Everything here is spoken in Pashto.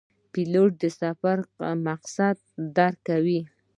پیلوټ د سفر مقصد درک کوي.